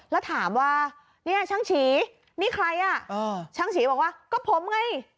แล้วถามว่าเนี่ยช่างฉีนี่ใครอ่ะช่างฉีบอกว่าก็ผมไง